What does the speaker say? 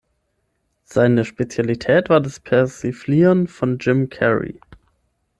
Seine Spezialität war das Persiflieren von Jim Carrey.